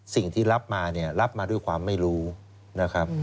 สิ่งที่รับมาเนี่ยรับมาด้วยความไม่รู้นะครับ